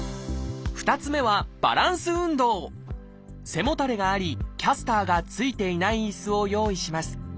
２つ目は背もたれがありキャスターが付いていない椅子を用意します。